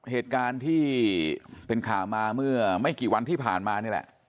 เหตุการณ์ที่เป็นข่าวมาเมื่อไม่กี่วันที่ผ่านมานี่แหละ